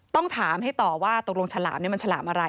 ต้องถามให้ต่อว่าตกลงฉลามนี่มันฉลามอะไร